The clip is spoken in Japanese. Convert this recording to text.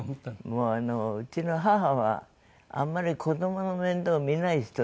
もううちの母はあんまり子どもの面倒を見ない人だった。